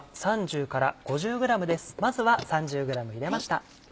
まずは３０ｇ入れました。